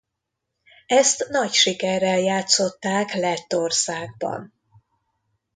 Ezt nagy sikerrel játszották Lettországban.